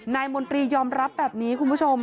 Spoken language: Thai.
มนตรียอมรับแบบนี้คุณผู้ชม